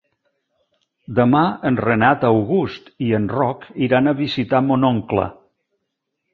Demà en Renat August i en Roc iran a visitar mon oncle.